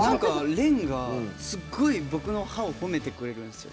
廉がすごい僕の歯を褒めてくれるんですよ。